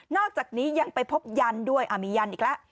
อกจากนี้ยังไปพบยันด้วยมียันอีกแล้ว